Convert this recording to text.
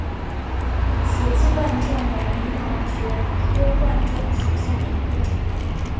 斜基贯众为鳞毛蕨科贯众属下的一个种。